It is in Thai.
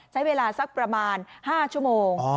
ใช้เวลาสักประมาณ๕ชั่วโมง